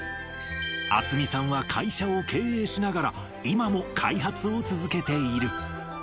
渥美さんは会社を経営しながら、今も開発を続けている。